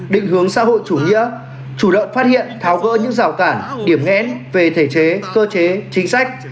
định hướng xã hội chủ nghĩa chủ động phát hiện tháo gỡ những rào cản điểm ngẽn về thể chế cơ chế chính sách